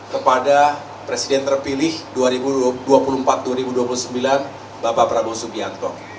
kepada presiden terpilih dua ribu dua puluh empat dua ribu dua puluh sembilan bapak prabowo subianto